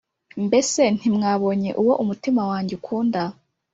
«Mbese ntimwabonye uwo umutima wanjye ukunda?»